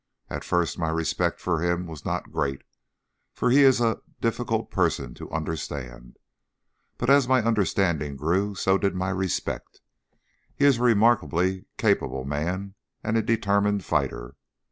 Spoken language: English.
At first, my respect for him was not great, for he is a difficult person to understand; but as my understanding grew, so did my respect. He is a remarkably capable man and a determined fighter.